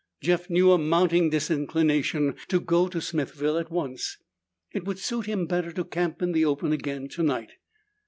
Jeff knew a mounting disinclination to go to Smithville at once. It would suit him better to camp in the open again tonight.